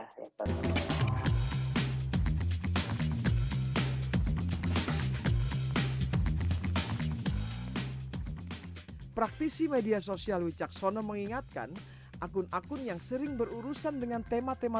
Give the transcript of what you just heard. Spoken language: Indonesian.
hai praktisi media sosial wicaksono mengingatkan akun akun yang sering berurusan dengan tema tema